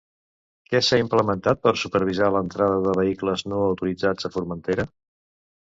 Què s'ha implementat per supervisar l'entrada de vehicles no autoritzats a Formentera?